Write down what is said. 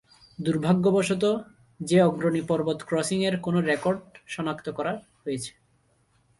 দুর্ভাগ্যবশত, যে অগ্রণী পর্বত ক্রসিং এর কোনো রেকর্ড সনাক্ত করা হয়েছে।